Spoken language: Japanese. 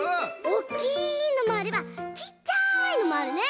おっきいのもあればちっちゃいのもあるね！